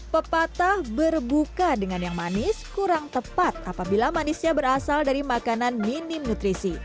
pepatah berbuka dengan yang manis kurang tepat apabila manisnya berasal dari makanan minim nutrisi